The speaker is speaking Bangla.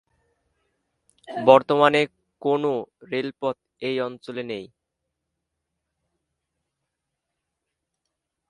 বর্তমানে কোনো রেলপথ এই অঞ্চলে নেই।